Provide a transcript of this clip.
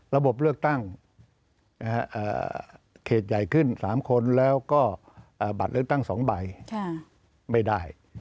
ระบบเลือกตั้งเขตใหญ่ขึ้น๓คนแล้วก็บัตรเลือกตั้ง๒ใบไม่ได้